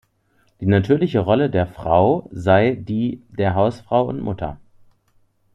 Die natürliche Rolle der Frau sei die der Hausfrau und Mutter.